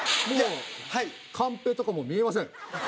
もうカンペとかも見えません。